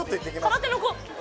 空手の子。